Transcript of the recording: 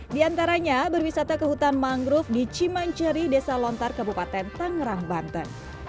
di antaranya berwisata ke hutan mangrove di cimanceri desa lontar kabupaten tangerang banten